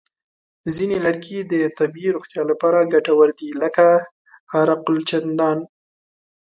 ځینې لرګي د طبیعي روغتیا لپاره ګټور دي، لکه عرقالچندڼ.